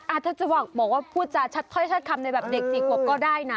อาจจะบอกว่าพูดชัดค่อยคำในเด็ก๔ขวบก็ได้นะ